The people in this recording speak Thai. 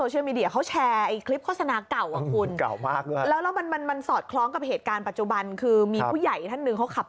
ชื่อเป็นองคุณนะโฮ่กง